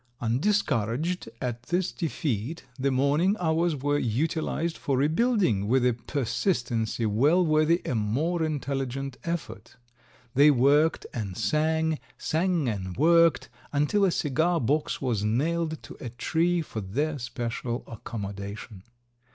Undiscouraged at this defeat, the morning hours were utilized for rebuilding with a persistency well worthy a more intelligent effort; they worked and sang, sang and worked, until a cigar box was nailed to a tree for their special accommodation.